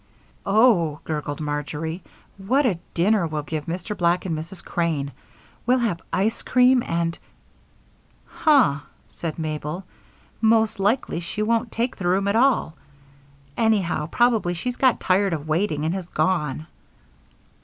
"Oh," gurgled Marjory, "what a dinner we'll give Mr. Black and Mrs. Crane! We'll have ice cream and " "Huh!" said Mabel, "most likely she won't take the room at all. Anyhow, probably she's got tired of waiting and has gone."